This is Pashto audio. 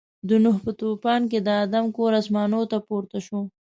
د نوح په طوفان کې د آدم کور اسمانو ته پورته شو.